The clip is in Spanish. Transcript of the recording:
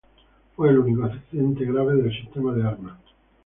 Fue el único accidente grave del sistema de armas.